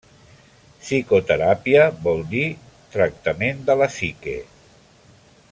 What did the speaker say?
Psicoteràpia vol dir tractament de la psique.